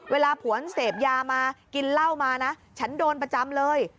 เวลาผวนเสพยามากินเหล้ามานะฉันโดนประจำเลย